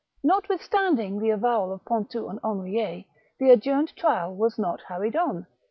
Notwithstanding the avowal of Pontou and Henriet, the adjourned trial was not hurried on.